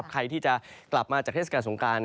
ใครที่จะกลับมาจากเทศกาลสงการ